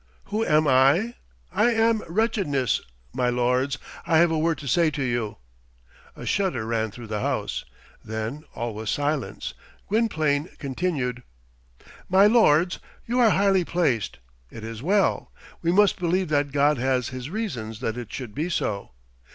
"Who am I? I am wretchedness. My lords, I have a word to say to you." A shudder ran through the House. Then all was silence. Gwynplaine continued, "My lords, you are highly placed. It is well. We must believe that God has His reasons that it should be so.